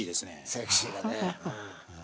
セクシーだね。